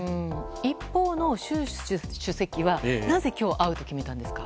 一方の習主席はなぜ今日会うと決めたんですか？